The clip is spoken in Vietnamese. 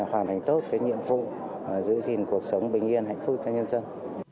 hoàn thành tốt cái nhiệm vụ giữ gìn cuộc sống bình yên hạnh phúc cho nhân dân